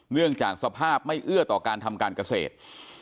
เนื่องจากสภาพไม่เอื้อต่อการทำการเกษตร